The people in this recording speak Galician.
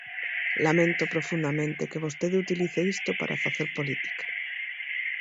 Lamento profundamente que vostede utilice isto para facer política.